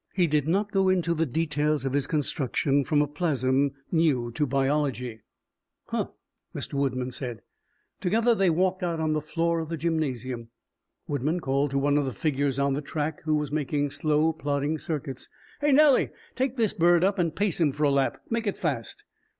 He did not go into the details of his construction from a plasm new to biology. "Huh!" Mr. Woodman said. Together they walked out on the floor of the gymnasium. Woodman called to one of the figures on the track who was making slow, plodding circuits. "Hey, Nellie! Take this bird up and pace him for a lap. Make it fast."